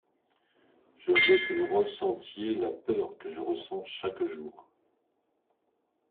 Je veux que vous ressentiez la peur que je ressens chaque jour.